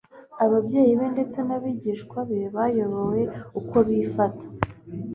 ababyeyi be ndetse n'abigishwa be bayoberwa uko bifata.